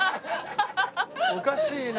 おかしいな。